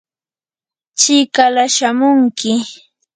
chikala shamunki.